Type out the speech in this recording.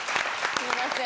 すいません。